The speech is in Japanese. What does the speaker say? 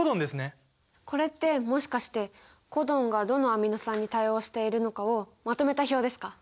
これってもしかしてコドンがどのアミノ酸に対応しているのかをまとめた表ですか？